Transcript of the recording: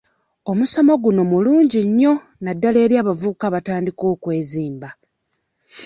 Omusomo guno mulungi nnyo naddala eri abavubuka abatandika okwezimba.